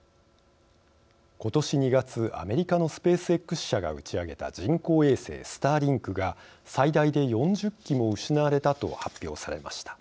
ことし２月アメリカのスペースＸ社が打ち上げた人工衛星スターリンクが最大で４０機も失われたと発表されました。